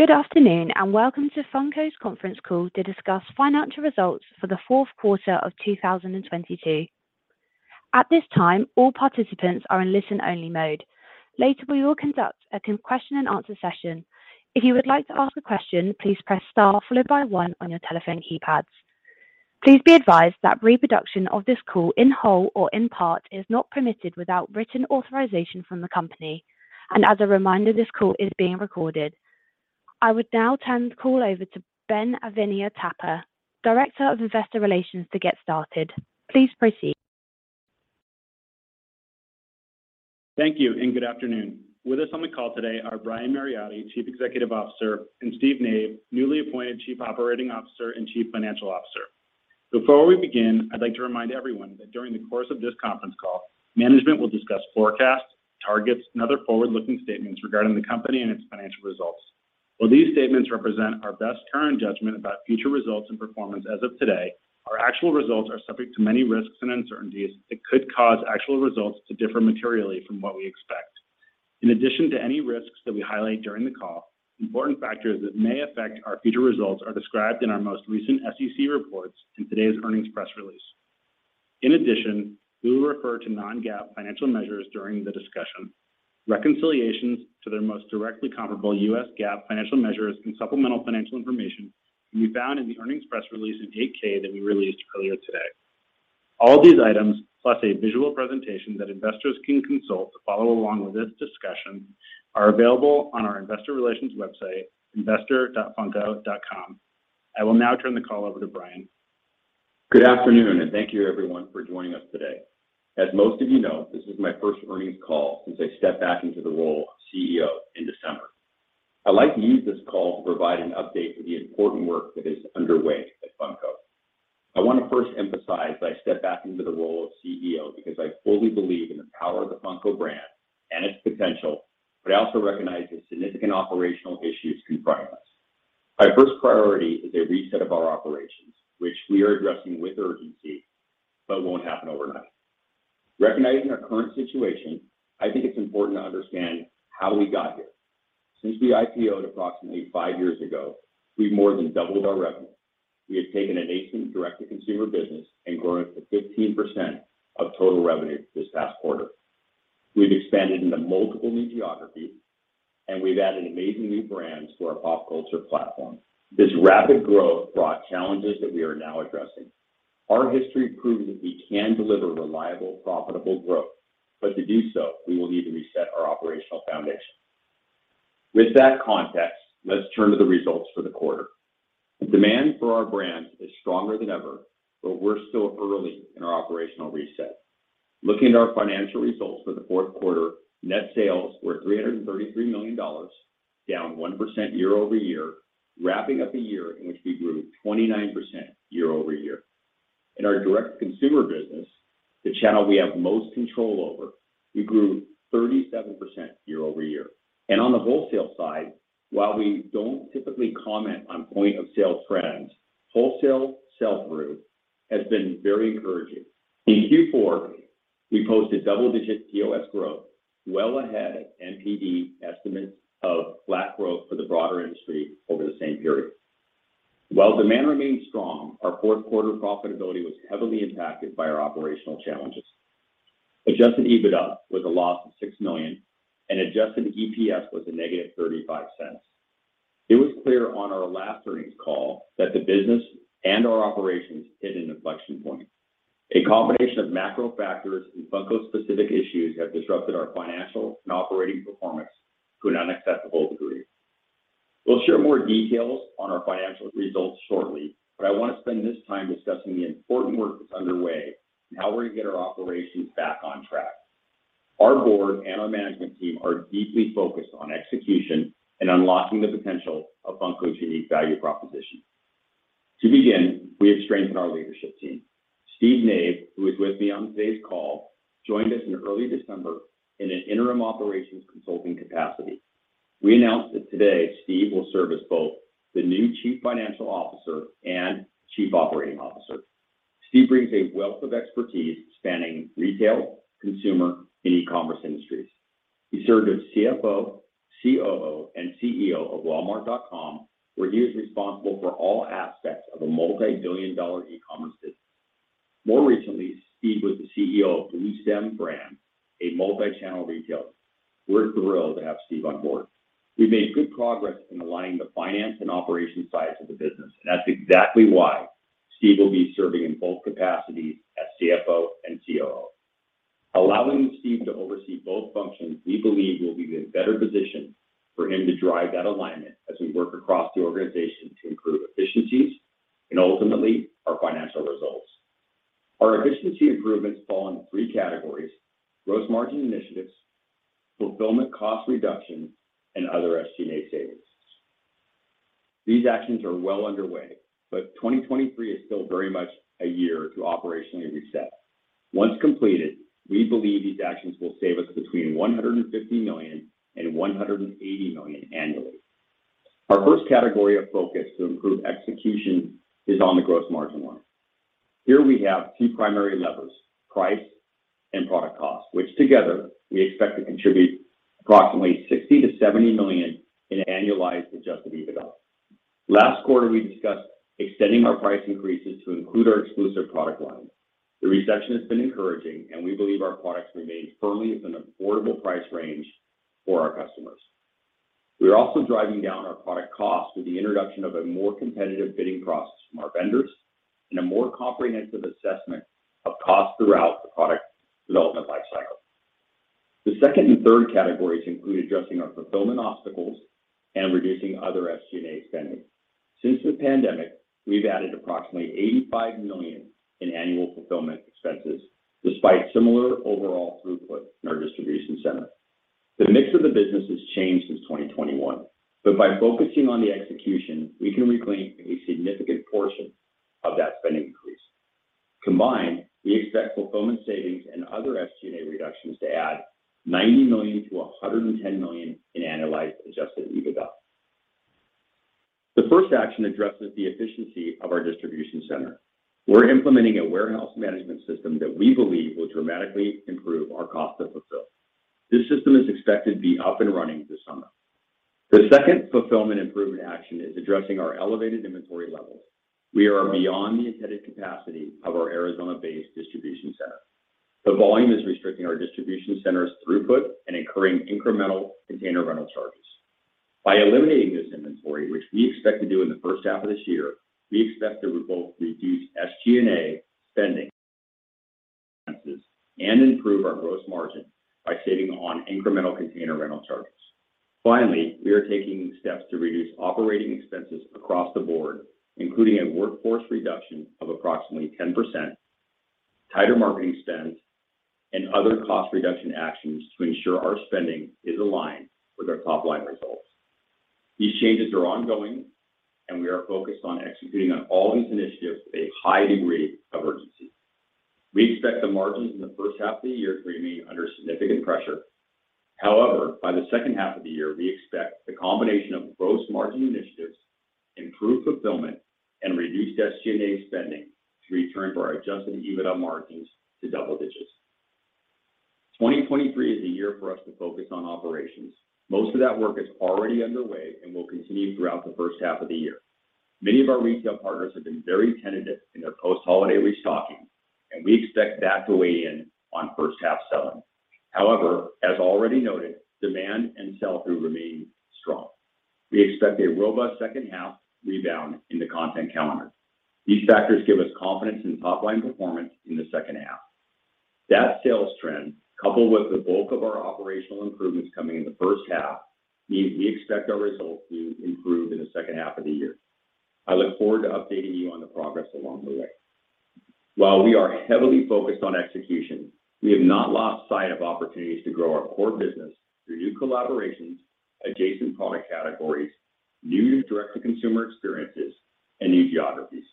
Good afternoon, and welcome to Funko's conference call to discuss financial results for the fourth quarter of 2022. At this time, all participants are in listen-only mode. Later, we will conduct a question-and-answer session. If you would like to ask a question, please press star followed by one on your telephone keypads. Please be advised that reproduction of this call in whole or in part is not permitted without written authorization from the company. As a reminder, this call is being recorded. I would now turn the call over to Ben Avenia-Tapper, Director of Investor Relations to get started. Please proceed. Thank you and good afternoon. With us on the call today are Brian Mariotti, Chief Executive Officer, and Steve Nave, newly appointed Chief Operating Officer and Chief Financial Officer. Before we begin, I'd like to remind everyone that during the course of this conference call, management will discuss forecasts, targets, and other forward-looking statements regarding the company and its financial results. While these statements represent our best current judgment about future results and performance as of today, our actual results are subject to many risks and uncertainties that could cause actual results to differ materially from what we expect. In addition to any risks that we highlight during the call, important factors that may affect our future results are described in our most recent SEC reports and today's earnings press release. In addition, we will refer to non-GAAP financial measures during the discussion. Reconciliations to their most directly comparable U.S. GAAP financial measures and supplemental financial information can be found in the earnings press release in 8-K that we released earlier today. All these items, plus a visual presentation that investors can consult to follow along with this discussion, are available on our investor relations website, investor.funko.com. I will now turn the call over to Brian. Good afternoon, and thank you everyone for joining us today. As most of you know, this is my first earnings call since I stepped back into the role of CEO in December. I'd like to use this call to provide an update for the important work that is underway at Funko. I want to first emphasize I stepped back into the role of CEO because I fully believe in the power of the Funko brand and its potential, but I also recognize the significant operational issues confronting us. My first priority is a reset of our operations, which we are addressing with urgency, but won't happen overnight. Recognizing our current situation, I think it's important to understand how we got here. Since we IPO'd approximately five years ago, we've more than doubled our revenue. We have taken a nascent direct-to-consumer business and grown it to 15% of total revenue this past quarter. We've expanded into multiple new geographies, and we've added amazing new brands to our pop culture platform. This rapid growth brought challenges that we are now addressing. Our history proves that we can deliver reliable, profitable growth, but to do so, we will need to reset our operational foundation. With that context, let's turn to the results for the quarter. The demand for our brand is stronger than ever, but we're still early in our operational reset. Looking at our financial results for the fourth quarter, net sales were $333 million, down 1% year-over-year, wrapping up a year in which we grew 29% year-over-year. In our direct-to-consumer business, the channel we have most control over, we grew 37% year-over-year. On the wholesale side, while we don't typically comment on point of sale trends, wholesale sell-through has been very encouraging. In Q4, we posted double-digit POS growth, well ahead of NPD estimates of flat growth for the broader industry over the same period. While demand remained strong, our fourth quarter profitability was heavily impacted by our operational challenges. Adjusted EBITDA was a loss of $6 million and Adjusted EPS was a negative $0.35. It was clear on our last earnings call that the business and our operations hit an inflection point. A combination of macro factors and Funko's specific issues have disrupted our financial and operating performance to an unacceptable degree. We'll share more details on our financial results shortly, I want to spend this time discussing the important work that's underway and how we're going to get our operations back on track. Our board and our management team are deeply focused on execution and unlocking the potential of Funko's unique value proposition. To begin, we have strengthened our leadership team. Steve Nave, who is with me on today's call, joined us in early December in an interim operations consulting capacity. We announced that today Steve will serve as both the new Chief Financial Officer and Chief Operating Officer. Steve brings a wealth of expertise spanning retail, consumer, and e-commerce industries. He served as CFO, COO, and CEO of Walmart.com, where he was responsible for all aspects of a multi-billion dollar e-commerce business. More recently, Steve was the CEO of Bluestem Brands, a multi-channel retailer. We're thrilled to have Steve on board. We've made good progress in aligning the finance and operations sides of the business. That's exactly why Steve will be serving in both capacities as CFO and COO. Allowing Steve to oversee both functions, we believe, will be in better position for him to drive that alignment as we work across the organization to improve efficiencies and ultimately our financial results. Our efficiency improvements fall into three categories: gross margin initiatives, fulfillment cost reduction, and other SG&A savings. These actions are well underway. 2023 is still very much a year to operationally reset. Once completed, we believe these actions will save us between $150 million and $180 million annually. Our first category of focus to improve execution is on the gross margin line. Here we have two primary levers, price and product cost, which together we expect to contribute approximately $60 million-$70 million in annualized Adjusted EBITDA. Last quarter, we discussed extending our price increases to include our exclusive product line. The reception has been encouraging, and we believe our products remain firmly in an affordable price range for our customers. We are also driving down our product costs with the introduction of a more competitive bidding process from our vendors and a more comprehensive assessment of cost throughout the product development life cycle. The second and third categories include addressing our fulfillment obstacles and reducing other SG&A spending. Since the pandemic, we've added approximately $85 million in annual fulfillment expenses despite similar overall throughput in our distribution center. The mix of the business has changed since 2021, but by focusing on the execution, we can reclaim a significant portion of that spending increase. Combined, we expect fulfillment savings and other SG&A reductions to add $90 million-$110 million in annualized Adjusted EBITDA. The first action addresses the efficiency of our distribution center. We're implementing a warehouse management system that we believe will dramatically improve our cost to fulfill. This system is expected to be up and running this summer. The second fulfillment improvement action is addressing our elevated inventory levels. We are beyond the intended capacity of our Arizona-based distribution center. The volume is restricting our distribution center's throughput and incurring incremental container rental charges. By eliminating this inventory, which we expect to do in the first half of this year, we expect to both reduce SG&A spending expenses and improve our gross margin by saving on incremental container rental charges. We are taking steps to reduce operating expenses across the board, including a workforce reduction of approximately 10%, tighter marketing spend, and other cost reduction actions to ensure our spending is aligned with our top-line results. These changes are ongoing, we are focused on executing on all these initiatives with a high degree of urgency. We expect the margins in the first half of the year to remain under significant pressure. By the second half of the year, we expect the combination of gross margin initiatives, improved fulfillment, and reduced SG&A spending to return to our Adjusted EBITDA margins to double digits. 2023 is the year for us to focus on operations. Most of that work is already underway and will continue throughout the first half of the year. Many of our retail partners have been very tentative in their post-holiday restocking, and we expect that to weigh in on first half selling. However, as already noted, demand and sell-through remain strong. We expect a robust second half rebound in the content calendar. These factors give us confidence in top-line performance in the second half. That sales trend, coupled with the bulk of our operational improvements coming in the first half, we expect our results to improve in the second half of the year. I look forward to updating you on the progress along the way. While we are heavily focused on execution, we have not lost sight of opportunities to grow our core business through new collaborations, adjacent product categories, new direct-to-consumer experiences, and new geographies.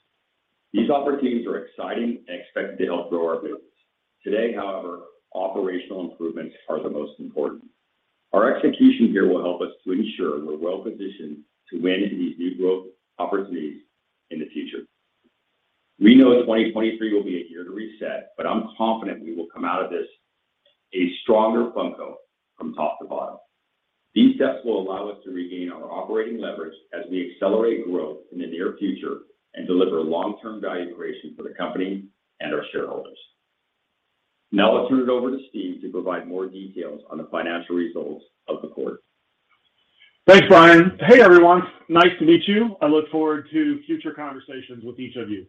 These opportunities are exciting and expected to help grow our business. Today, however, operational improvements are the most important. Our execution here will help us to ensure we're well-positioned to win these new growth opportunities in the future. We know 2023 will be a year to reset, but I'm confident we will come out of this a stronger Funko from top to bottom. These steps will allow us to regain our operating leverage as we accelerate growth in the near future and deliver long-term value creation for the company and our shareholders. I'll turn it over to Steve to provide more details on the financial results of the quarter. Thanks, Brian. Hey, everyone. Nice to meet you. I look forward to future conversations with each of you.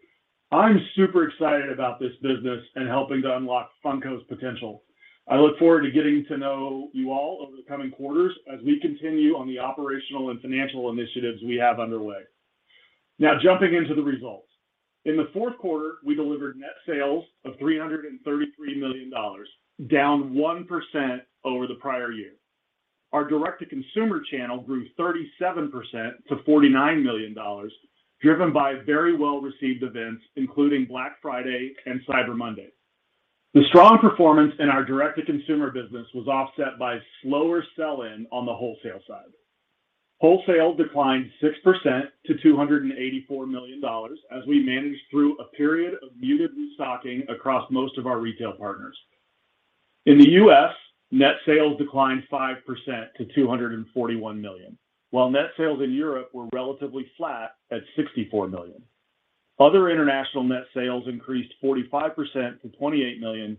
I'm super excited about this business and helping to unlock Funko's potential. I look forward to getting to know you all over the coming quarters as we continue on the operational and financial initiatives we have underway. Jumping into the results. In the fourth quarter, we delivered net sales of $333 million, down 1% over the prior year. Our direct-to-consumer channel grew 37% to $49 million, driven by very well-received events, including Black Friday and Cyber Monday. The strong performance in our direct-to-consumer business was offset by slower sell-in on the wholesale side. Wholesale declined 6% to $284 million as we managed through a period of muted restocking across most of our retail partners. In the U.S., net sales declined 5% to $241 million, while net sales in Europe were relatively flat at $64 million. Other international net sales increased 45% to $28 million,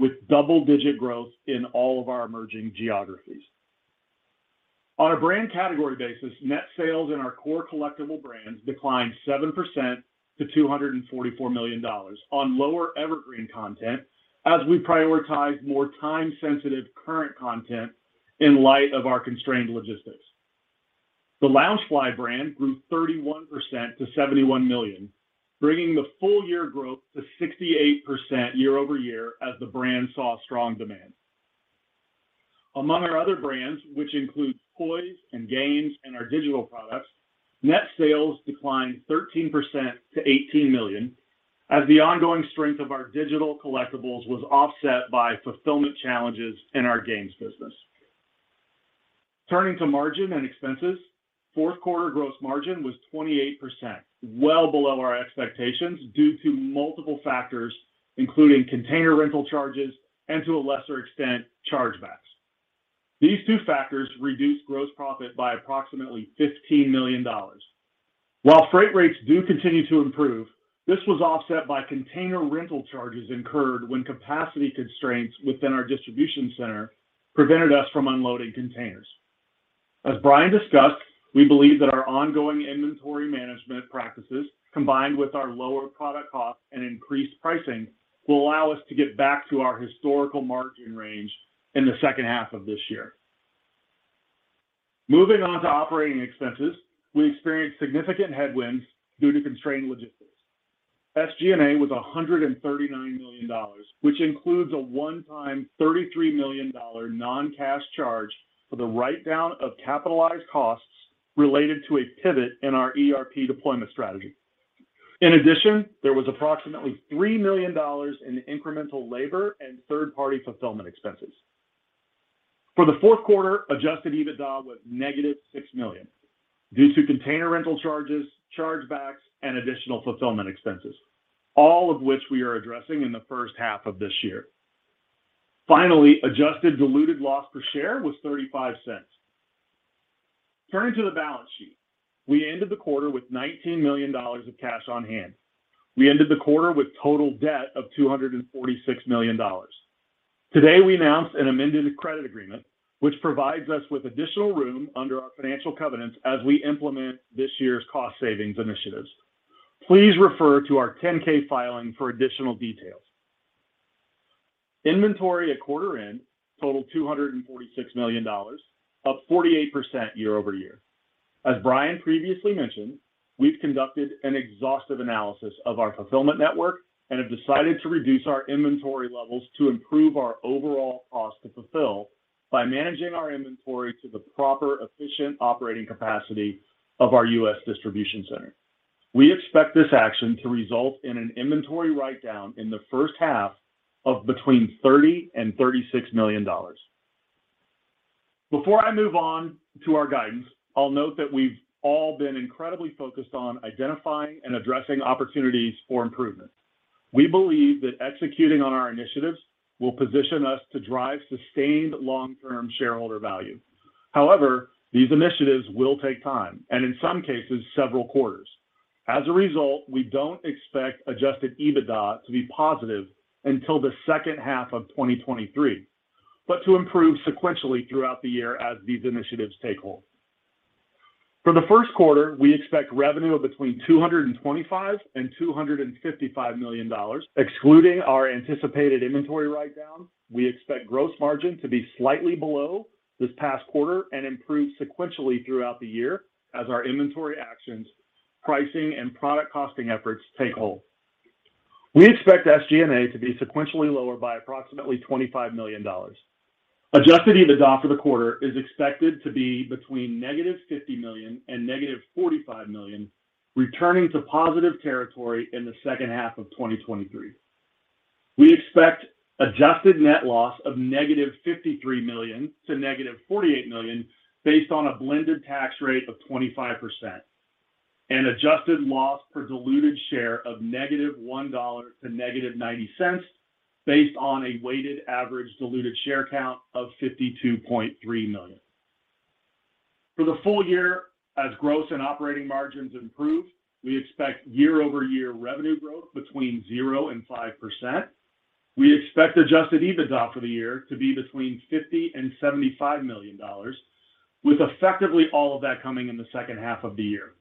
with double-digit growth in all of our emerging geographies. On a brand category basis, net sales in our core collectible brands declined 7% to $244 million on lower evergreen content as we prioritize more time-sensitive current content in light of our constrained logistics. The Loungefly brand grew 31% to $71 million, bringing the full year growth to 68% year-over-year as the brand saw strong demand. Among our other brands, which includes toys and games and our digital products, net sales declined 13% to $18 million as the ongoing strength of our digital collectibles was offset by fulfillment challenges in our games business. Turning to margin and expenses, fourth quarter gross margin was 28%, well below our expectations due to multiple factors, including container rental charges and to a lesser extent, chargebacks. These two factors reduced gross profit by approximately $15 million. While freight rates do continue to improve, this was offset by container rental charges incurred when capacity constraints within our distribution center prevented us from unloading containers. As Brian discussed, we believe that our ongoing inventory management practices, combined with our lower product costs and increased pricing, will allow us to get back to our historical margin range in the second half of this year. Moving on to operating expenses. We experienced significant headwinds due to constrained logistics. SG&A was $139 million, which includes a one-time $33 million non-cash charge for the write-down of capitalized costs related to a pivot in our ERP deployment strategy. There was approximately $3 million in incremental labor and third-party fulfillment expenses. For the fourth quarter, Adjusted EBITDA was -$6 million due to container rental charges, chargebacks and additional fulfillment expenses, all of which we are addressing in the first half of this year. Adjusted diluted loss per share was $0.35. Turning to the balance sheet. We ended the quarter with $19 million of cash on hand. We ended the quarter with total debt of $246 million. Today, we announced an amended credit agreement, which provides us with additional room under our financial covenants as we implement this year's cost savings initiatives. Please refer to our 10-K filing for additional details. Inventory at quarter end totaled $246 million, up 48% year-over-year. As Brian previously mentioned, we've conducted an exhaustive analysis of our fulfillment network and have decided to reduce our inventory levels to improve our overall cost to fulfill by managing our inventory to the proper efficient operating capacity of our U.S. Distribution center. We expect this action to result in an inventory write-down in the first half of between $30 million-$36 million. Before I move on to our guidance, I'll note that we've all been incredibly focused on identifying and addressing opportunities for improvement. We believe that executing on our initiatives will position us to drive sustained long-term shareholder value. However, these initiatives will take time, and in some cases, several quarters. As a result, we don't expect Adjusted EBITDA to be positive until the second half of 2023, but to improve sequentially throughout the year as these initiatives take hold. For the first quarter, we expect revenue of between $225 million and $255 million, excluding our anticipated inventory write-down. We expect gross margin to be slightly below this past quarter and improve sequentially throughout the year as our inventory actions, pricing, and product costing efforts take hold. We expect SG&A to be sequentially lower by approximately $25 million. Adjusted EBITDA for the quarter is expected to be between negative $50 million and negative $45 million, returning to positive territory in the second half of 2023. We expect Adjusted net loss of -$53 million - $48 million based on a blended tax rate of 25% and Adjusted loss per diluted share of negative $1.00 - negative $0.90 based on a weighted average diluted share count of 52.3 million. For the full year, as gross and operating margins improve, we expect year-over-year revenue growth between 0% and 5%. We expect Adjusted EBITDA for the year to be between $50 million and $75 million, with effectively all of that coming in the second half of the year.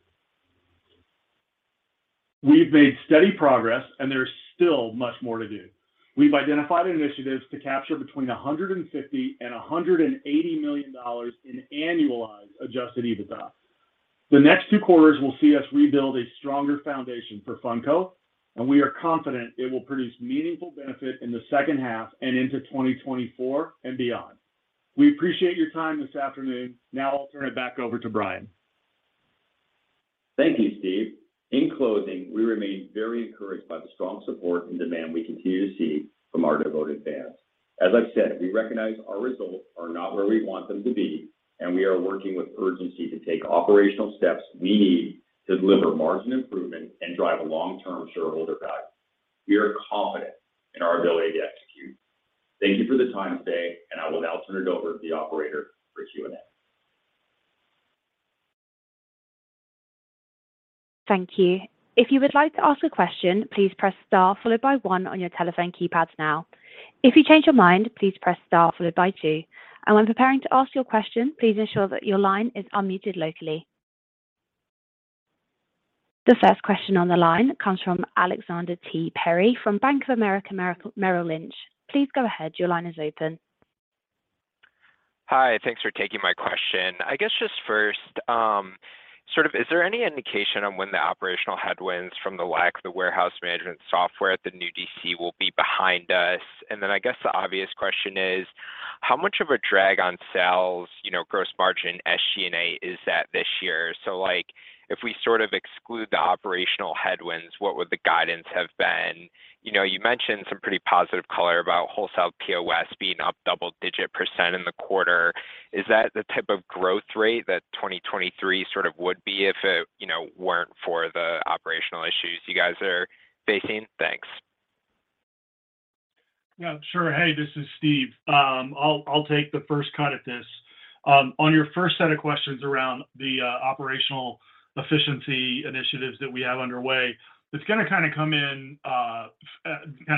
We've made steady progress, and there's still much more to do. We've identified initiatives to capture between $150 million and $180 million in annualized Adjusted EBITDA. The next two quarters will see us rebuild a stronger foundation for Funko, and we are confident it will produce meaningful benefit in the second half and into 2024 and beyond. We appreciate your time this afternoon. Now I'll turn it back over to Brian. Thank you, Steve. In closing, we remain very encouraged by the strong support and demand we continue to see from our devoted fans. As I've said, we recognize our results are not where we want them to be, and we are working with urgency to take operational steps we need to deliver margin improvement and drive long-term shareholder value. We are confident in our ability to execute. Thank you for the time today, and I will now turn it over to the operator for Q&A. Thank you. If you would like to ask a question, please press star followed by one on your telephone keypad now. If you change your mind, please press star followed by two. When preparing to ask your question, please ensure that your line is unmuted locally. The first question on the line comes from Alexander T. Perry from Bank of America, Merrill Lynch. Please go ahead. Your line is open. Hi. Thanks for taking my question. I guess just first, sort of is there any indication on when the operational headwinds from the lack of the warehouse management software at the new DC will be behind us? Then I guess the obvious question is How much of a drag on sales, you know, gross margin, SG&A is that this year? If we sort of exclude the operational headwinds, what would the guidance have been? You know, you mentioned some pretty positive color about wholesale POS being up double-digit % in the quarter. Is that the type of growth rate that 2023 sort of would be if it, you know, weren't for the operational issues you guys are facing? Thanks. Yeah, sure. Hey, this is Steve. I'll take the first cut at this. On your first set of questions around the operational efficiency initiatives that we have underway, it's going to kind of come in kind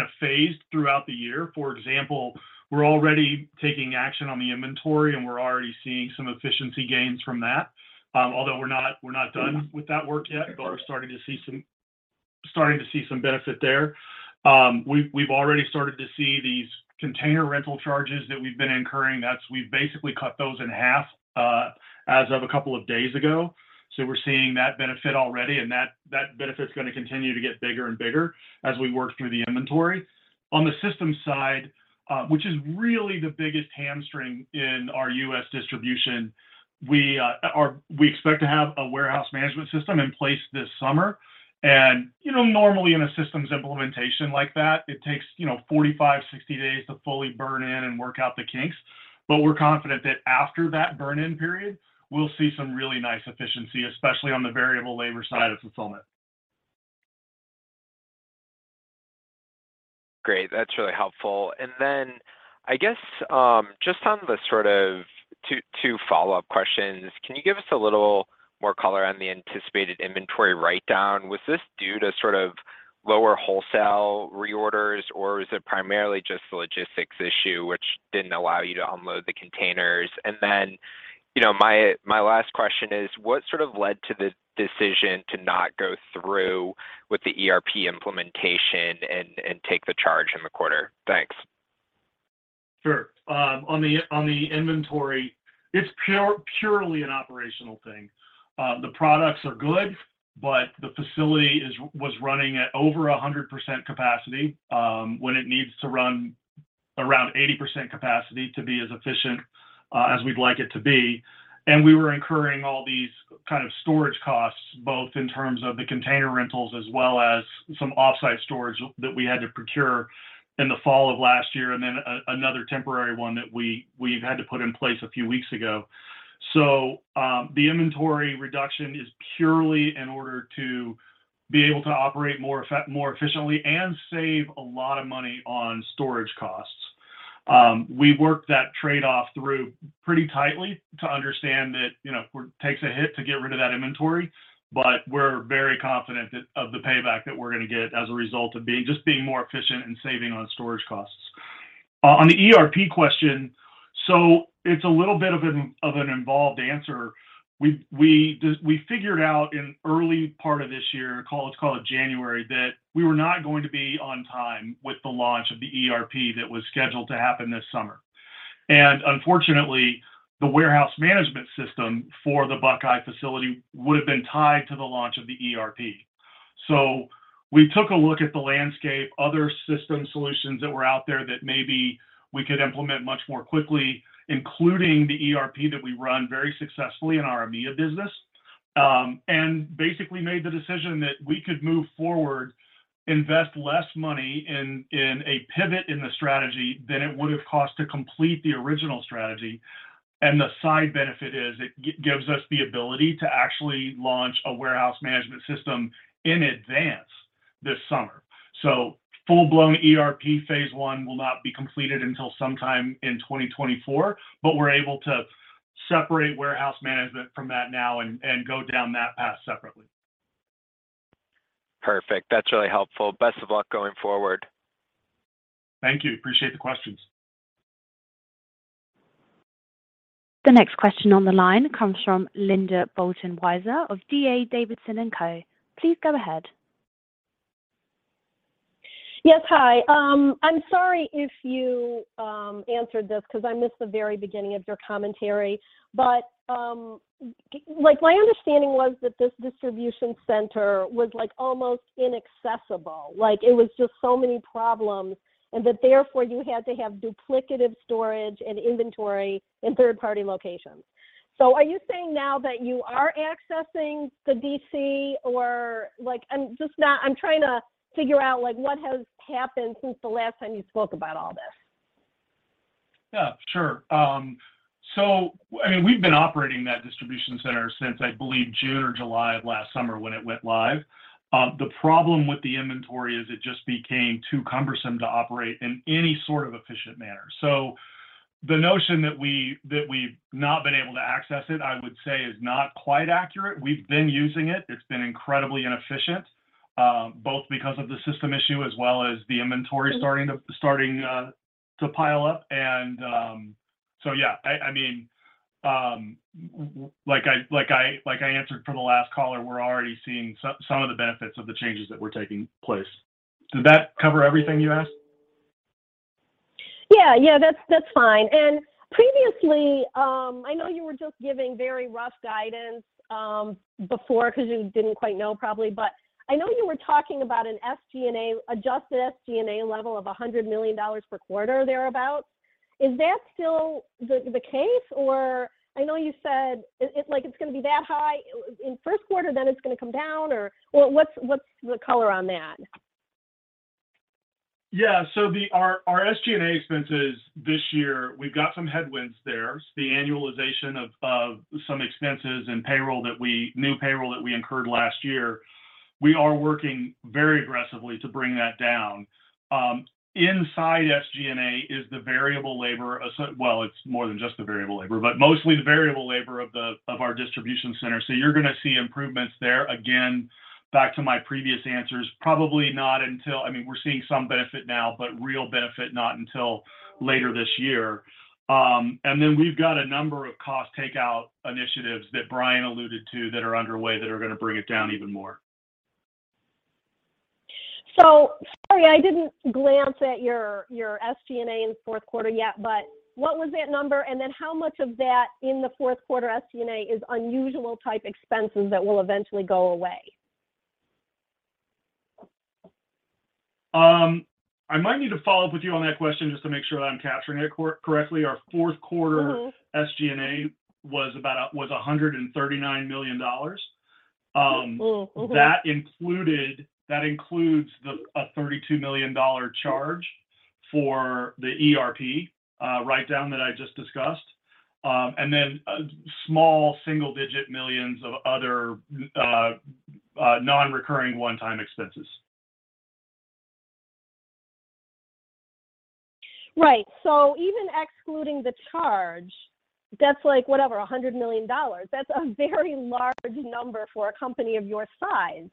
of phased throughout the year. For example, we're already taking action on the inventory, and we're already seeing some efficiency gains from that, although we're not done with that work yet, but we're starting to see some benefit there. We've already started to see these container rental charges that we've been incurring. We've basically cut those in half as of a couple of days ago, so we're seeing that benefit already, and that benefit's going to continue to get bigger and bigger as we work through the inventory. On the systems side, which is really the biggest hamstring in our U.S. distribution, we expect to have a warehouse management system in place this summer. You know, normally in a systems implementation like that, it takes, you know, 45, 60 days to fully burn in and work out the kinks, but we're confident that after that burn in period, we'll see some really nice efficiency, especially on the variable labor side of fulfillment. Great. That's really helpful. I guess, just on the sort of two follow-up questions, can you give us a little more color on the anticipated inventory write-down? Was this due to sort of lower wholesale reorders, or was it primarily just the logistics issue, which didn't allow you to unload the containers? You know, my last question is what sort of led to the decision to not go through with the ERP implementation and take the charge in the quarter? Thanks. Sure. On the inventory, it's purely an operational thing. The products are good, the facility was running at over 100% capacity when it needs to run around 80% capacity to be as efficient as we'd like it to be. We were incurring all these kind of storage costs, both in terms of the container rentals as well as some offsite storage that we had to procure in the fall of last year and then another temporary one that we've had to put in place a few weeks ago. The inventory reduction is purely in order to be able to operate more efficiently and save a lot of money on storage costs. We worked that trade-off through pretty tightly to understand that, you know, takes a hit to get rid of that inventory, but we're very confident that, of the payback that we're gonna get as a result of being, just being more efficient and saving on storage costs. On the ERP question, it's a little bit of an involved answer. We figured out in early part of this year, call, let's call it January, that we were not going to be on time with the launch of the ERP that was scheduled to happen this summer. Unfortunately, the warehouse management system for the Buckeye facility would have been tied to the launch of the ERP. We took a look at the landscape, other system solutions that were out there that maybe we could implement much more quickly, including the ERP that we run very successfully in our AMEA business, and basically made the decision that we could move forward, invest less money in a pivot in the strategy than it would've cost to complete the original strategy. The side benefit is it gives us the ability to actually launch a warehouse management system in advance this summer. Full-blown ERP phase I will not be completed until sometime in 2024, but we're able to separate warehouse management from that now and go down that path separately. Perfect. That's really helpful. Best of luck going forward. Thank you. Appreciate the questions. The next question on the line comes from Linda Bolton-Weiser of D.A. Davidson & Co. Please go ahead. Yes. Hi. I'm sorry if you answered this 'cause I missed the very beginning of your commentary. Like, my understanding was that this distribution center was, like, almost inaccessible. Like, it was just so many problems and that therefore you had to have duplicative storage and inventory in third-party locations. Are you saying now that you are accessing the DC or, like, I'm trying to figure out, like, what has happened since the last time you spoke about all this? Yeah. Sure. I mean, we've been operating that distribution center since, I believe, June or July of last summer when it went live. The problem with the inventory is it just became too cumbersome to operate in any sort of efficient manner. The notion that we've not been able to access it, I would say is not quite accurate. We've been using it. It's been incredibly inefficient, both because of the system issue as well as the inventory starting to pile up. Yeah, I mean, like I answered for the last caller, we're already seeing some of the benefits of the changes that were taking place. Did that cover everything you asked? Yeah. Yeah. That's, that's fine. Honestly, I know you were just giving very rough guidance before because you didn't quite know probably. I know you were talking about an SG&A, Adjusted SG&A level of $100 million per quarter or thereabout. Is that still the case? I know you said it like it's gonna be that high in first quarter, then it's gonna come down or, what's the color on that? Our SG&A expenses this year, we've got some headwinds there. The annualization of some expenses and new payroll that we incurred last year. We are working very aggressively to bring that down. Inside SG&A is the variable labor, well, it's more than just the variable labor, but mostly the variable labor of our distribution center. You're gonna see improvements there. Again, back to my previous answers, probably not until... I mean, we're seeing some benefit now, but real benefit not until later this year. We've got a number of cost takeout initiatives that Brian alluded to that are underway that are gonna bring it down even more. Sorry, I didn't glance at your SG&A in fourth quarter yet, but what was that number? How much of that in the fourth quarter SG&A is unusual type expenses that will eventually go away? I might need to follow up with you on that question just to make sure that I'm capturing it correctly. Our fourth quarter. Mm-hmm SG&A was about was $139 million. Mm-hmm. Mm-hmm. That includes a $32 million charge for the ERP write down that I just discussed. A small single digit millions of other non-recurring one-time expenses. Right. Even excluding the charge, that's like, whatever, $100 million. That's a very large number for a company of your size.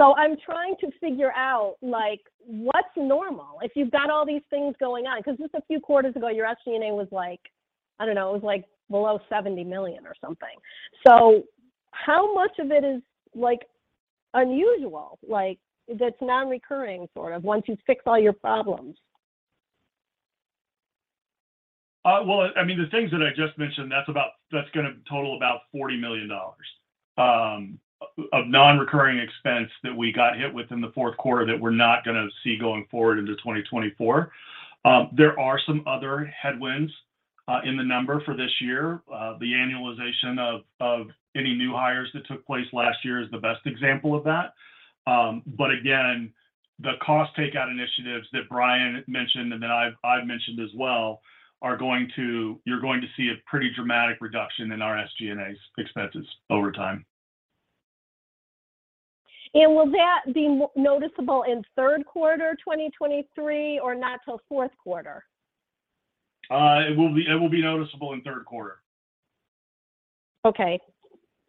I'm trying to figure out, like, what's normal if you've got all these things going on, 'cause just a few quarters ago, your SG&A was like, I don't know, it was like below $70 million or something. How much of it is, like, unusual, like, that's non-recurring sort of once you've fixed all your problems? Well, I mean, the things that I just mentioned, that's going to total about $40 million of non-recurring expense that we got hit with in the fourth quarter that we're not going to see going forward into 2024. There are some other headwinds in the number for this year. The annualization of any new hires that took place last year is the best example of that. Again, the cost takeout initiatives that Brian mentioned, and that I've mentioned as well, you're going to see a pretty dramatic reduction in our SG&A's expenses over time. Will that be noticeable in third quarter 2023 or not till fourth quarter? It will be, it will be noticeable in third quarter. Okay.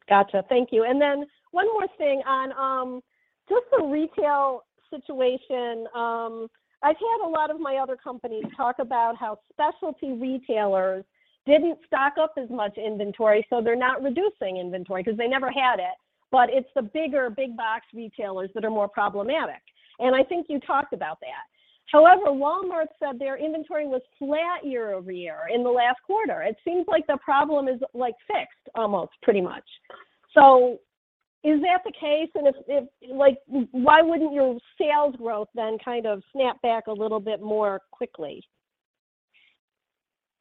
Gotcha. Thank you. Then one more thing on just the retail situation. I've had a lot of my other companies talk about how specialty retailers didn't stock up as much inventory, so they're not reducing inventory 'cause they never had it, but it's the bigger big box retailers that are more problematic. I think you talked about that. However, Walmart said their inventory was flat year-over-year in the last quarter. It seems like the problem is, like, fixed almost pretty much. Is that the case? If, like, why wouldn't your sales growth then kind of snap back a little bit more quickly?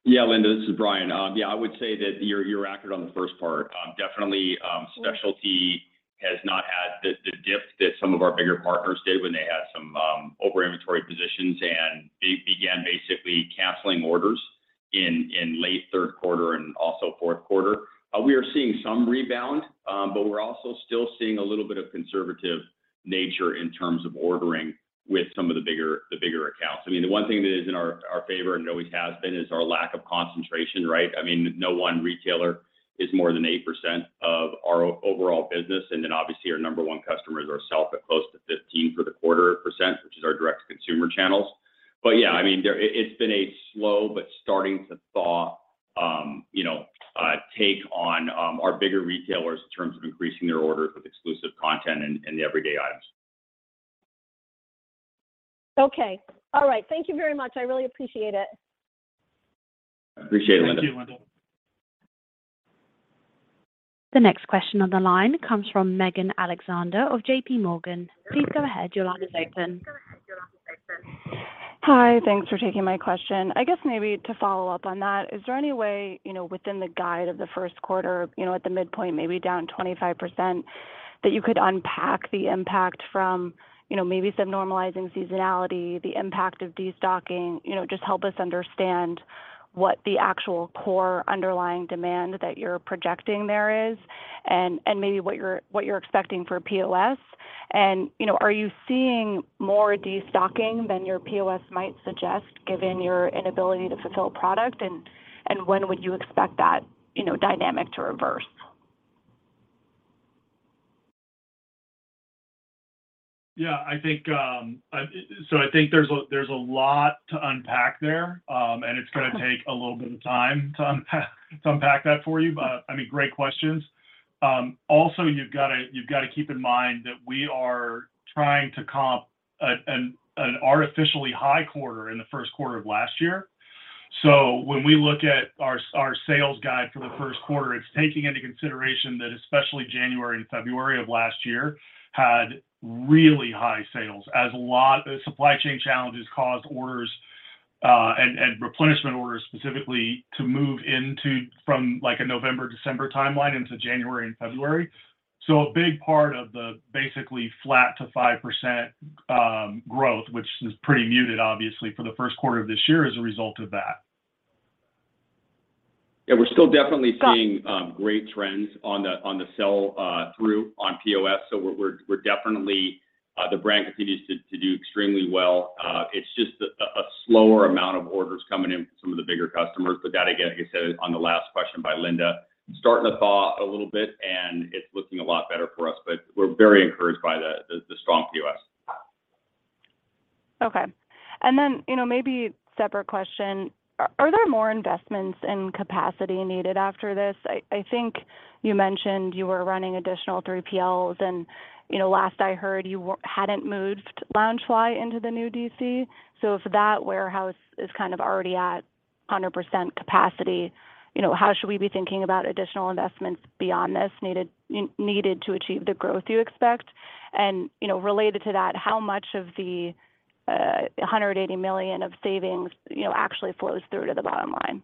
Linda, this is Brian. I would say that you're accurate on the first part. Definitely, specialty has not had the dip that some of our bigger partners did when they had some over inventory positions, and they began basically canceling orders in late third quarter and also fourth quarter. We are seeing some rebound, but we're also still seeing a little bit of conservative nature in terms of ordering with some of the bigger accounts. I mean, the one thing that is in our favor and always has been is our lack of concentration, right? I mean, no one retailer is more than 8% of our overall business, and then obviously our number one customers are self at close to 15 for the quarter %, which is our direct-to-consumer channels. Yeah, I mean, it's been a slow but starting to thaw, you know, take on our bigger retailers in terms of increasing their orders with exclusive content and the everyday items. Okay. All right. Thank you very much. I really appreciate it. Appreciate it, Linda. Thank you, Linda. The next question on the line comes from Megan Alexander of JPMorgan. Please go ahead. Your line is open. Hi. Thanks for taking my question. I guess maybe to follow up on that, is there any way, you know, within the guide of the first quarter, you know, at the midpoint, maybe down 25%, that you could unpack the impact from, you know, maybe some normalizing seasonality, the impact of destocking? You know, just help us understand what the actual core underlying demand that you're projecting there is and maybe what you're expecting for POS. Are you seeing more destocking than your POS might suggest given your inability to fulfill product, and when would you expect that, you know, dynamic to reverse? Yeah, I think there's a lot to unpack there, and it's gonna take a little bit of time to unpack that for you. I mean, great questions. Also you've gotta keep in mind that we are trying to comp an artificially high quarter in the first quarter of last year. When we look at our sales guide for the first quarter, it's taking into consideration that especially January and February of last year had really high sales as a lot of supply chain challenges caused orders and replenishment orders specifically to move into... from like a November, December timeline into January and February. A big part of the basically flat to 5% growth, which is pretty muted obviously for the first quarter of this year as a result of that. Yeah. We're still definitely seeing great trends on the sell through on POS. We're definitely the brand continues to do extremely well. It's just a slower amount of orders coming in from some of the bigger customers, that again, like I said on the last question by Linda, starting to thaw a little bit, and it's looking a lot better for us. We're very encouraged by the strong POS. Okay. You know, maybe separate question. Are there more investments in capacity needed after this? I think you mentioned you were running additional 3PLs and, you know, last I heard you hadn't moved Loungefly into the new DC. If that warehouse is kind of already at 100% capacity, you know, how should we be thinking about additional investments beyond this needed to achieve the growth you expect? You know, related to that, how much of the $180 million of savings, you know, actually flows through to the bottom line?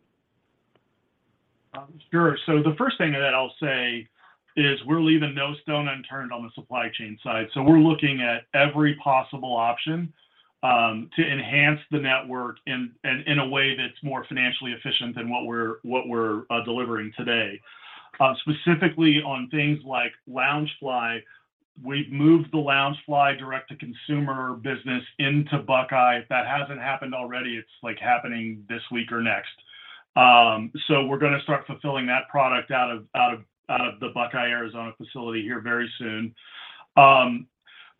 Sure. The first thing that I'll say is we're leaving no stone unturned on the supply chain side. We're looking at every possible option to enhance the network in a way that's more financially efficient than what we're delivering today. Specifically on things like Loungefly, we've moved the Loungefly direct-to-consumer business into Buckeye. If that hasn't happened already, it's like happening this week or next. We're gonna start fulfilling that product out of the Buckeye, Arizona facility here very soon.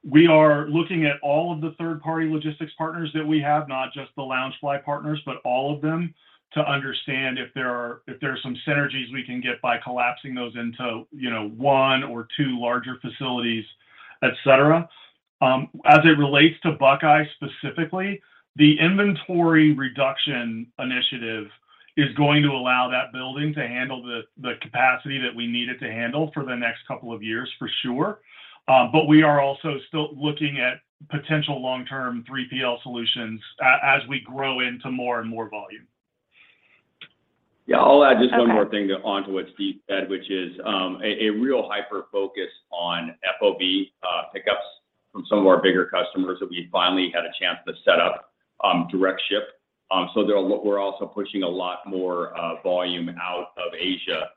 We are looking at all of the third party logistics partners that we have, not just the Loungefly partners, but all of them to understand if there are some synergies we can get by collapsing those into, you know, one or two larger facilities, et cetera. As it relates to Buckeye specifically, the inventory reduction initiative is going to allow that building to handle the capacity that we need it to handle for the next couple of years for sure. We are also still looking at potential long-term 3PL solutions as we grow into more and more volume. Yeah. I'll add just one more thing onto what Steve said, which is a real hyper-focus on FOB pickups from some of our bigger customers that we finally had a chance to set up direct ship. We're also pushing a lot more volume out of Asia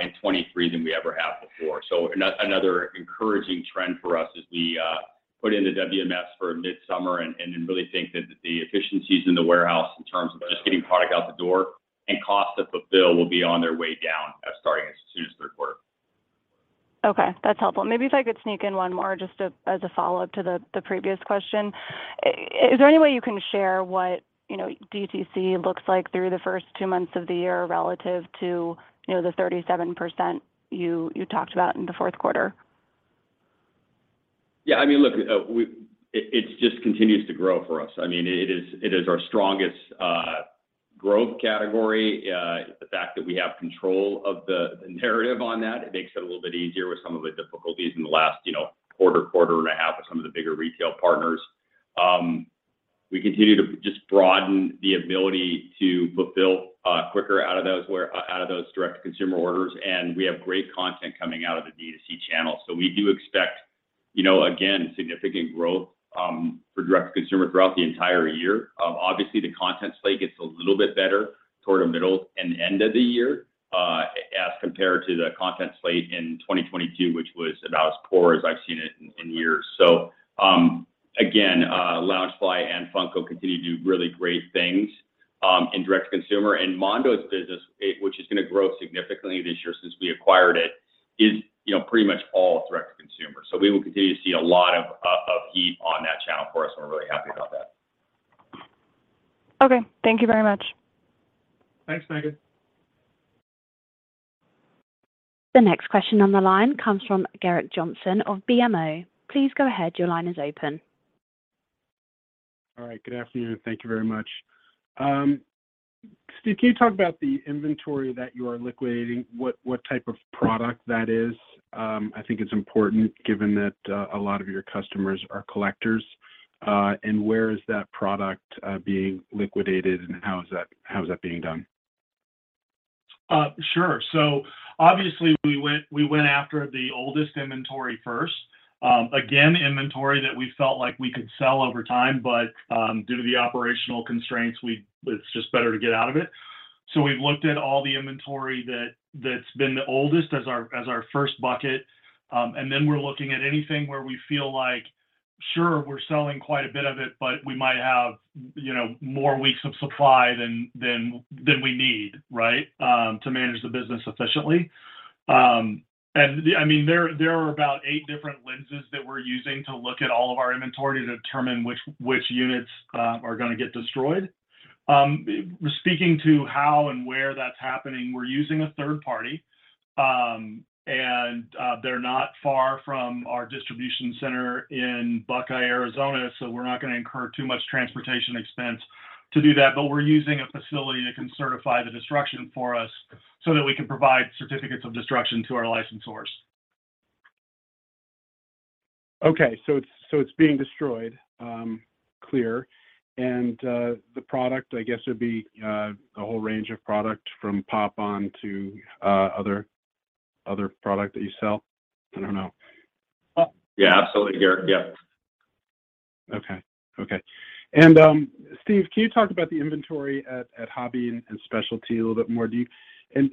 in 2023 than we ever have before. That's another encouraging trend for us as we put into WMS for midsummer and then really think that the efficiencies in the warehouse in terms of just getting product out the door and cost to fulfill will be on their way down starting as soon as third quarter. Okay. That's helpful. Maybe if I could sneak in one more just as a follow-up to the previous question. Is there any way you can share what, you know, DTC looks like through the first two months of the year relative to, you know, the 37% you talked about in the fourth quarter? Yeah. I mean, look, it just continues to grow for us. I mean, it is our strongest growth category. The fact that we have control of the narrative on that, it makes it a little bit easier with some of the difficulties in the last, you know, quarter and a half with some of the bigger retail partners. We continue to just broaden the ability to fulfill quicker out of those direct consumer orders, and we have great content coming out of the DTC channel. We do expect, you know, again, significant growth for direct to consumer throughout the entire year. Obviously, the content slate gets a little bit better toward the middle and end of the year, as compared to the content slate in 2022, which was about as poor as I've seen it in years. Again, Loungefly and Funko continue to do really great things in direct-to-consumer. Mondo's business, which is gonna grow significantly this year since we acquired it, is, you know, pretty much all direct-to-consumer. We will continue to see a lot of heat on that channel for us, and we're really happy about that. Okay. Thank you very much. Thanks, Megan. The next question on the line comes from Gerrick Johnson of BMO. Please go ahead. Your line is open. All right. Good afternoon. Thank you very much. Steve, can you talk about the inventory that you are liquidating, what type of product that is? I think it's important given that a lot of your customers are collectors. Where is that product being liquidated, and how is that being done? Sure, obviously we went after the oldest inventory first. Again, inventory that we felt like we could sell over time, but due to the operational constraints, it's just better to get out of it. We've looked at all the inventory that's been the oldest as our first bucket. Then we're looking at anything where we feel like, sure, we're selling quite a bit of it, but we might have, you know, more weeks of supply than we need, right, to manage the business efficiently. I mean, there are about eight different lenses that we're using to look at all of our inventory to determine which units are gonna get destroyed. Speaking to how and where that's happening, we're using a third party, and they're not far from our distribution center in Buckeye, Arizona. We're not gonna incur too much transportation expense to do that, but we're using a facility that can certify the destruction for us so that we can provide certificates of destruction to our licensors. Okay. It's being destroyed, clear, and the product, I guess would be a whole range of product from Pop! on to other product that you sell? I don't know. Yeah. Absolutely, Gerrick. Yeah. Okay. Okay. Steve, can you talk about the inventory at hobby and specialty a little bit more?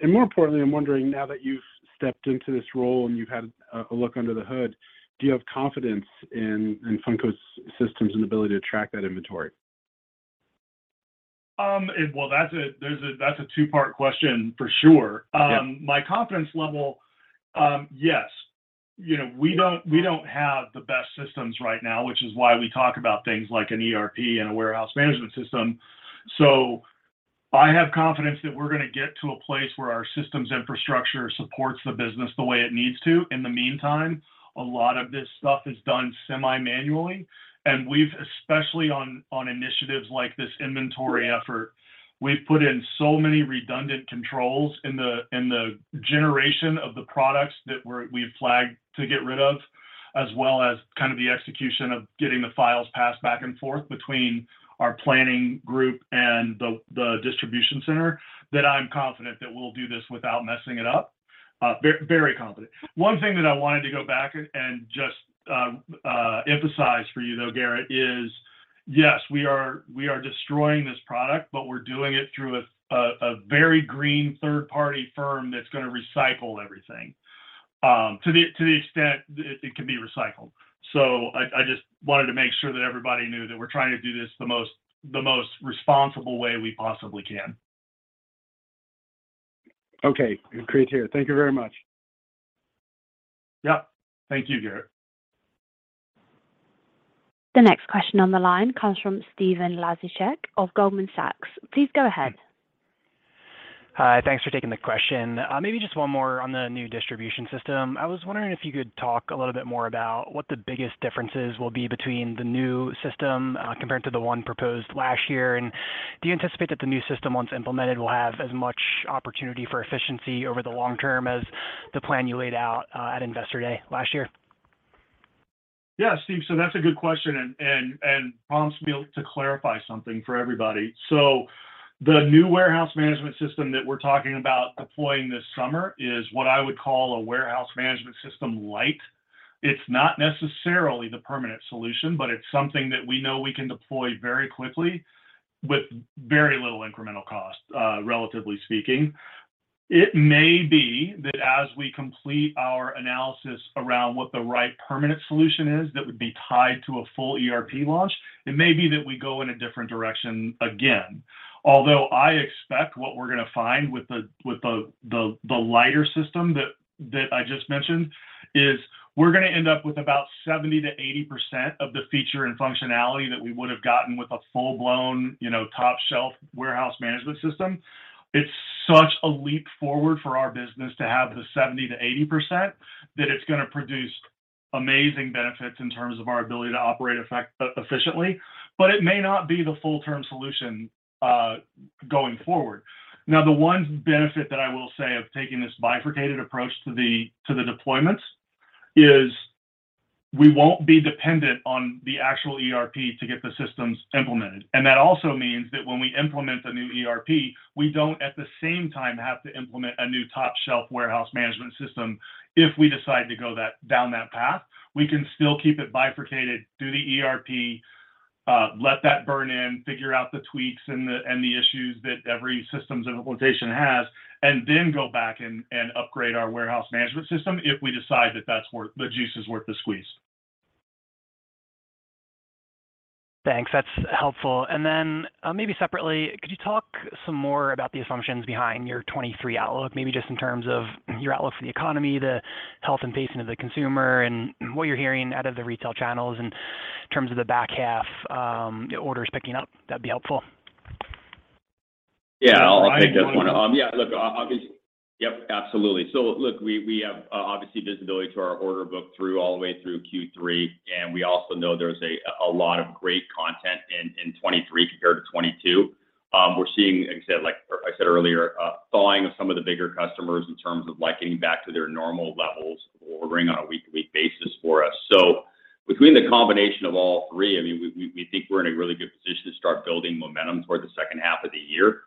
More importantly, I'm wondering now that you've stepped into this role and you've had a look under the hood, do you have confidence in Funko's systems and ability to track that inventory? Well, That's a two-part question for sure. Yeah. My confidence level, yes. You know, we don't have the best systems right now, which is why we talk about things like an ERP and a warehouse management system. I have confidence that we're gonna get to a place where our systems infrastructure supports the business the way it needs to. In the meantime, a lot of this stuff is done semi-manually, and we've, especially on initiatives like this inventory effort, we've put in so many redundant controls in the generation of the products that we've flagged to get rid of, as well as kind of the execution of getting the files passed back and forth between our planning group and the distribution center, that I'm confident that we'll do this without messing it up. Very confident. One thing that I wanted to go back and just emphasize for you though, Gerrick, is yes, we are destroying this product, but we're doing it through a very green third-party firm that's gonna recycle everything, to the extent it can be recycled. I just wanted to make sure that everybody knew that we're trying to do this the most responsible way we possibly can. Okay. Great to hear. Thank you very much. Yep. Thank you, Gerrick. The next question on the line comes from Stephen Laszczyk of Goldman Sachs. Please go ahead. Hi. Thanks for taking the question. Maybe just one more on the new distribution system. I was wondering if you could talk a little bit more about what the biggest differences will be between the new system, compared to the one proposed last year. Do you anticipate that the new system once implemented, will have as much opportunity for efficiency over the long term as the plan you laid out at Investor Day last year? Yeah, Steve. That's a good question and prompts me to clarify something for everybody. The new warehouse management system that we're talking about deploying this summer is what I would call a warehouse management system light. It's not necessarily the permanent solution, but it's something that we know we can deploy very quickly with very little incremental cost, relatively speaking. It may be that as we complete our analysis around what the right permanent solution is that would be tied to a full ERP launch, it may be that we go in a different direction again. Although I expect what we're gonna find with the lighter system that I just mentioned, is we're gonna end up with about 70%-80% of the feature and functionality that we would've gotten with a full-blown, you know, top-shelf warehouse management system. It's such a leap forward for our business to have the 70%-80% that it's gonna produce amazing benefits in terms of our ability to operate efficiently, but it may not be the full-term solution going forward. The one benefit that I will say of taking this bifurcated approach to the deployments is we won't be dependent on the actual ERP to get the systems implemented. That also means that when we implement the new ERP, we don't at the same time have to implement a new top-shelf warehouse management system if we decide to go down that path. We can still keep it bifurcated, do the ERP, let that burn in, figure out the tweaks and the issues that every systems implementation has, and then go back and upgrade our warehouse management system if we decide that's worth the juice is worth the squeeze. Thanks. That's helpful. maybe separately, could you talk some more about the assumptions behind your 2023 outlook, maybe just in terms of your outlook for the economy, the health and pacing of the consumer, and what you're hearing out of the retail channels in terms of the back half, orders picking up? That'd be helpful. Yeah, I'll take that one. Yep, absolutely. Look, we have obviously visibility to our order book through all the way through Q3, and we also know there's a lot of great content in 2023 compared to 2022. We're seeing, like I said, like I said earlier, a thawing of some of the bigger customers in terms of like getting back to their normal levels of ordering on a week-to-week basis for us. Between the combination of all three, I mean, we think we're in a really good position to start building momentum toward the second half of the year.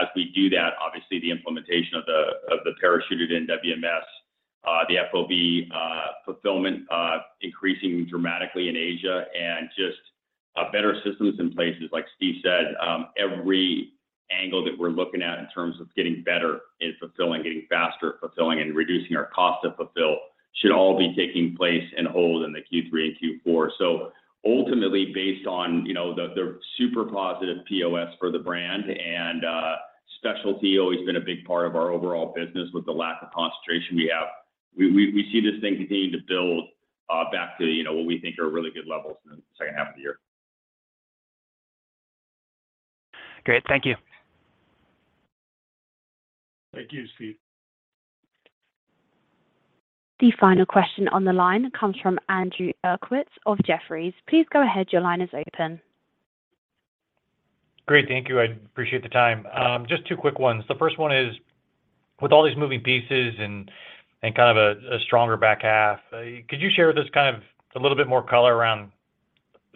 As we do that, obviously the implementation of the parachuted in WMS, the FOB fulfillment increasing dramatically in Asia and just better systems in places like Steve said. Every angle that we're looking at in terms of getting better in fulfilling, getting faster at fulfilling and reducing our cost to fulfill should all be taking place and hold in the Q3 and Q4. Ultimately based on, you know, the super positive POS for the brand. Specialty always been a big part of our overall business with the lack of concentration we have. We see this thing continuing to build back to, you know, what we think are really good levels in the second half of the year. Great. Thank you. Thank you, Steve. The final question on the line comes from Andrew Uerkwitz of Jefferies. Please go ahead, your line is open. Great. Thank you. I appreciate the time. Just two quick ones. The first one is, with all these moving pieces and kind of a stronger back half, could you share with us kind of a little bit more color around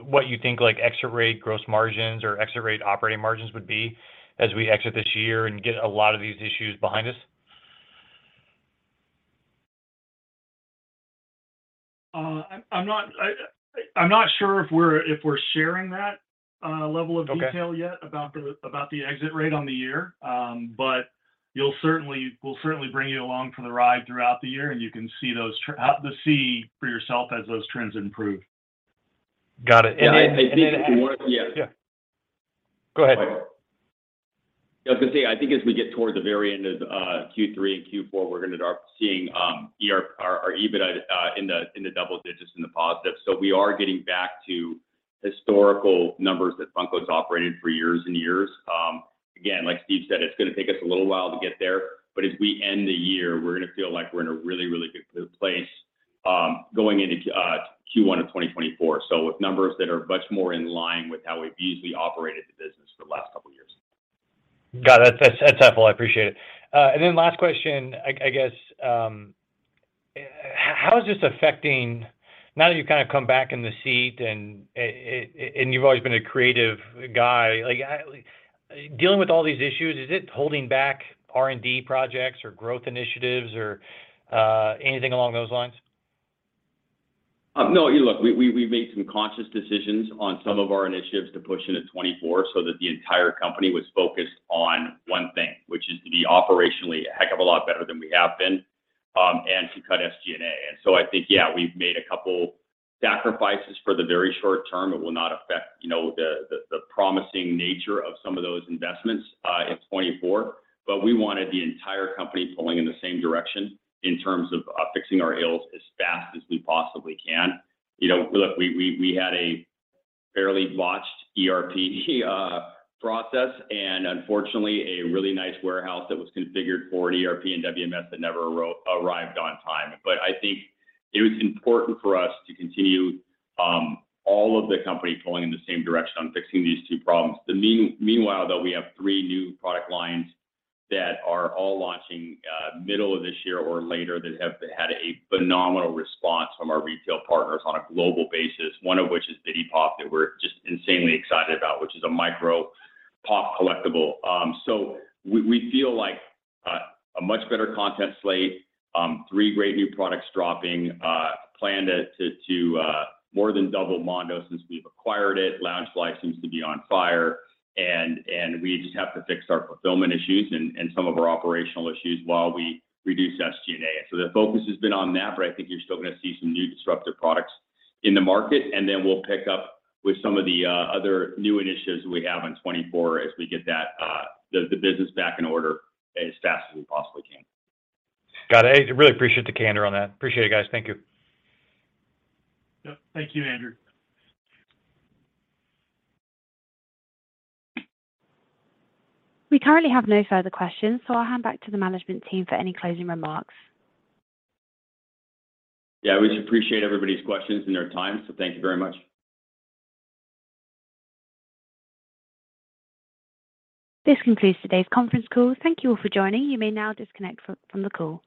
what you think like exit rate gross margins or exit rate operating margins would be as we exit this year and get a lot of these issues behind us? I'm not sure if we're sharing that level of. Okay Detail yet about the exit rate on the year. We'll certainly bring you along for the ride throughout the year. You can see for yourself as those trends improve. Got it. I. If you wanna. Yeah. Yeah. Go ahead. Yeah. I was gonna say, I think as we get toward the very end of Q3 and Q4, we're gonna start seeing our EBITDA in the double digits in the positive. We are getting back to historical numbers that Funko's operated for years and years. Again, like Steve said, it's gonna take us a little while to get there, but as we end the year, we're gonna feel like we're in a really, really good place going into Q1 of 2024. With numbers that are much more in line with how we've easily operated the business for the last couple years. Got it. That's helpful. I appreciate it. Last question. I guess, how is this affecting. Now that you've kind of come back in the seat and you've always been a creative guy, Dealing with all these issues, is it holding back R&D projects or growth initiatives or anything along those lines? No, look, we made some conscious decisions on some of our initiatives to push into 2024 so that the entire company was focused on one thing, which is to be operationally a heck of a lot better than we have been and to cut SG&A. I think, yeah, we've made a couple sacrifices for the very short term. It will not affect, you know, the promising nature of some of those investments in 2024. We wanted the entire company pulling in the same direction in terms of fixing our aisles as fast as we possibly can. You know, look, we had a fairly botched ERP process and unfortunately a really nice warehouse that was configured for an ERP and WMS that never arrived on time. I think it was important for us to continue all of the company pulling in the same direction on fixing these two problems. Meanwhile, though, we have three new product lines that are all launching middle of this year or later that have had a phenomenal response from our retail partners on a global basis, one of which is Bitty POP! that we're just insanely excited about, which is a micro Pop collectible. So we feel like a much better content slate, three great new products dropping. Plan to more than double Mondo since we've acquired it. Loungefly seems to be on fire. We just have to fix our fulfillment issues and some of our operational issues while we reduce SG&A. The focus has been on that, but I think you're still gonna see some new disruptive products in the market. Then we'll pick up with some of the other new initiatives we have in 2024 as we get that the business back in order as fast as we possibly can. Got it. I really appreciate the candor on that. Appreciate it, guys. Thank you. Yep. Thank you, Andrew. We currently have no further questions. I'll hand back to the management team for any closing remarks. We just appreciate everybody's questions and their time, so thank you very much. This concludes today's conference call. Thank you all for joining. You may now disconnect from the call.